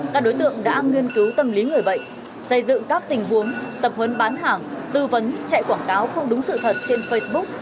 các đối tượng đã nghiên cứu tâm lý người bệnh xây dựng các tình huống tập huấn bán hàng tư vấn chạy quảng cáo không đúng sự thật trên facebook